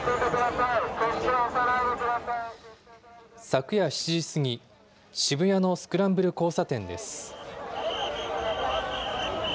昨夜７時過ぎ、渋谷のスクランブル交差点です。